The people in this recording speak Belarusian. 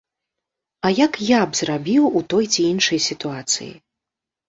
А як я б зрабіў у той ці іншай сітуацыі?